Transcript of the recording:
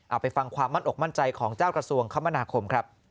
เอาไปฟังความมั่นอกมั่นใจของเจ้ากระทรวงคมนาคมครับ